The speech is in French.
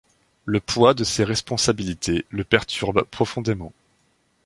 Le poids de ses responsabilités le perturbe profondément.